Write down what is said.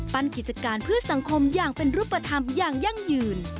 กิจการเพื่อสังคมอย่างเป็นรูปธรรมอย่างยั่งยืน